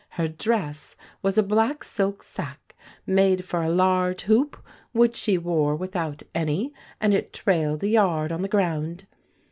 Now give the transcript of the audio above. Her dress was a black silk sack, made for a large hoop, which she wore without any, and it trailed a yard on the ground.